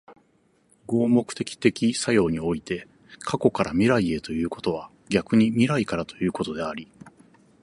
合目的的作用において、過去から未来へということは逆に未来からということであり、